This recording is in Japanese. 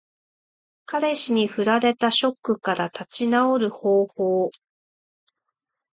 彼氏に振られたショックから立ち直る方法。